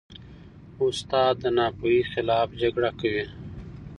استاد د ناپوهۍ خلاف جګړه کوي.